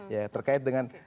ya terkait dengan